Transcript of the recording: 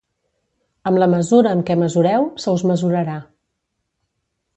Amb la mesura amb què mesureu, se us mesurarà.